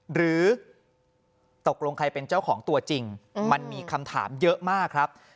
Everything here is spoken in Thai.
หรือตกลงใครเป็นเจ้าของตัวจริงมันมีคำถามเยอะมากครับ